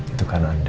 itu karena anda